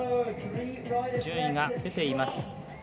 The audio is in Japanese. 順位が出ています。